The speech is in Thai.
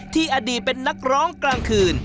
อดีตเป็นนักร้องกลางคืน